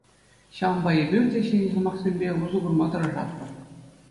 Ҫаванпа эпир те ҫӗнӗ сӑмахсемпе усӑ курма тӑрашатпӑр.